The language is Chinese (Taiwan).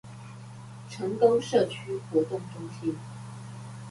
成功社區活動中心